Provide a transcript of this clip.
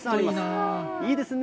いいですね。